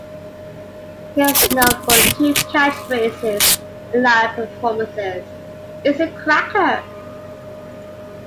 He is known for two catchphrases in live performances: It's a cracker!